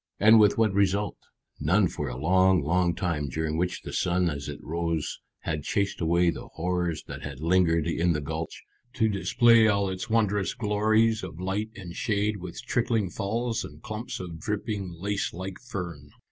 And with what result? None for a long, long time, during which the sun as it rose had chased away the horrors that had lingered in the gulch, to display all its wondrous glories of light and shade with trickling falls and clumps of dripping lace like fern.